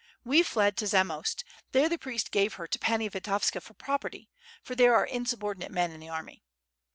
We fled to Zamost, there the Priest gave her to Pani Vitovska for property for there are insubordinate men in the army.